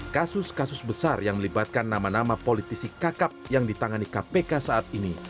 kasus kasus besar yang melibatkan nama nama politisi kakap yang ditangani kpk saat ini